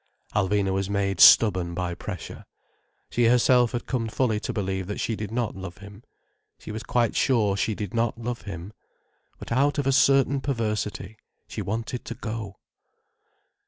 Alvina was made stubborn by pressure. She herself had come fully to believe that she did not love him. She was quite sure she did not love him. But out of a certain perversity, she wanted to go.